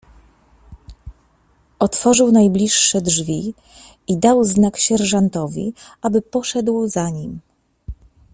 "Otworzył najbliższe drzwi i dał znak sierżantowi, aby poszedł za nim."